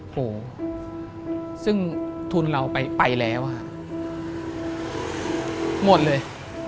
โหซึ่งทุนเราไปแล้วค่ะหมดเลย